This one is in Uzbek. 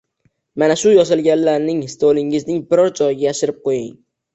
Mana shu yozganlaringizning stolingizning biror joyiga yashirib qo`ying